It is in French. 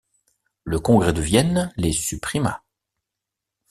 Le Congrès de Vienne les supprima.